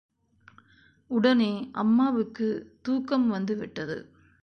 உடனே, அம்மாவுக்குத் தூக்கம் வந்து விட்டது.